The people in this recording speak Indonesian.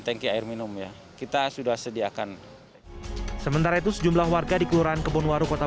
tanki air minum ya kita sudah sediakan sementara itu sejumlah warga di kelurahan kebunwaru kota